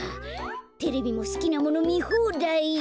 テレビもすきなものみほうだい。